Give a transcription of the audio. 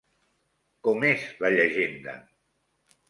Com és la llegenda?